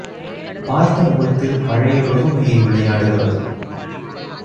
பார்த்த முகத்தில் பழைய வெறுமை யே விளையாடுகிறது.